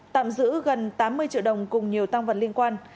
tạm giữ gần tám mươi triệu đồng cùng nhiều tăng vật liên quan